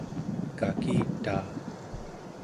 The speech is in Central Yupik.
kakitaa